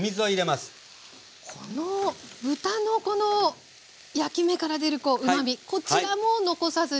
豚のこの焼き目から出るうまみこちらも残さずに。